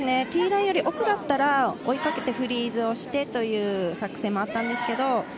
ティーラインより奥だったら追いかけてフリーズしてという作戦もあったんですけれど。